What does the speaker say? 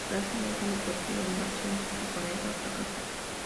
Gracias a esto, la posterior invasión japonesa fracasó.